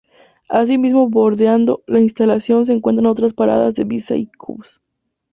Asimismo bordeando la instalación se encuentran otras paradas de Bizkaibus.